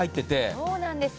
そうなんです。